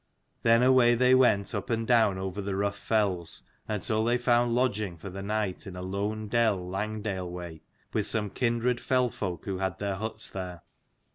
Then away they went up and down over the rough fells, until they found lodging for the night in a lone dell Langdale way, with some kindred fell folk who had their huts there.